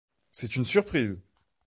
C'est une surprise.